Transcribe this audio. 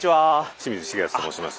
清水重敦と申します。